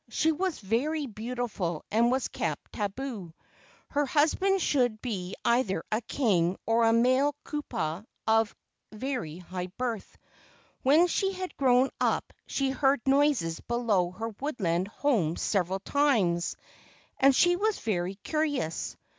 She was very beautiful and was kept tabu. Her husband should be either a king or a male kupua of very high birth. When she had grown up she heard noises below her woodland home several times, and she was very curious.